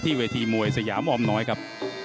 เวทีมวยสยามออมน้อยครับ